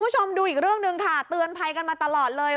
คุณผู้ชมดูอีกเรื่องหนึ่งค่ะเตือนภัยกันมาตลอดเลย